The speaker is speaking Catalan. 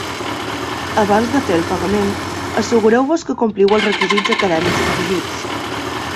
Abans de fer el pagament, assegureu-vos que compliu els requisits acadèmics exigits.